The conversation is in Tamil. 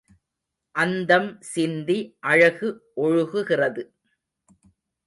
அந்தம் சிந்தி அழகு ஒழுகுகிறது.